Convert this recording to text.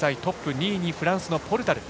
２位がフランスのポルタル。